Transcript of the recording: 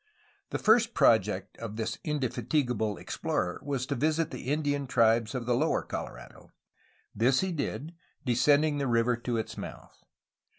The first project of this indefatigable explorer was to visit the Indian tribes of the lower Colorado. This he did, descending the river to its mouth.